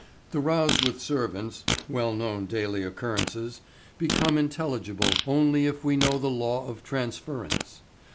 The rows with servants, well known daily occurrences, become intelligible only if we know the law of transference.